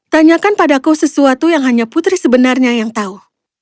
tanyakan padaku sesuatu yang hanya putri sebenarnya yang tahu